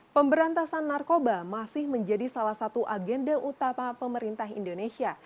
pemberantasan narkoba masih menjadi salah satu agenda utama pemerintah indonesia